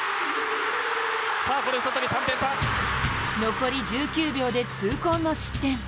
残り１９秒で、痛恨の失点。